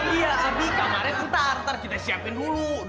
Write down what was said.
iya abi kamarnya ntar ntar kita siapin dulu